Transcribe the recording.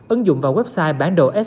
ấn dụng vào website bản đồ sos